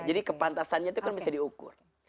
jadi kepantasannya itu kan bisa diukur